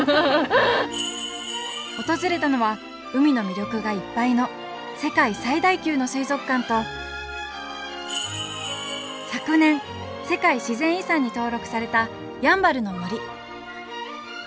訪れたのは海の魅力がいっぱいの世界最大級の水族館と昨年世界自然遺産に登録されたやんばるの森。